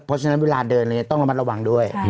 เพราะฉะนั้นเวลาเดินต้องระมัดระวังด้วย